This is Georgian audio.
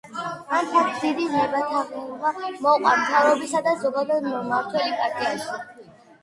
ამ ფაქტს დიდი ვნებათაღელვა მოჰყვა მთავრობისა და ზოგადად, მმართველი პარტიაში.